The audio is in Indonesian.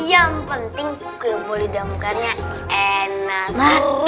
yang penting kue boleh damkannya enak